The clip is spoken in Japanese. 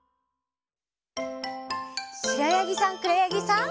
しろやぎさんくろやぎさん。